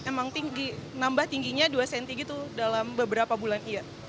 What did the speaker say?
emang tinggi nambah tingginya dua cm gitu dalam beberapa bulan iya